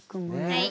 はい。